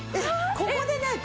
ここでね